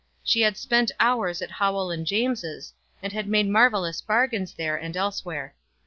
She had spent hours at Howell and James's, and had made marvellous bargains there and elsewhere.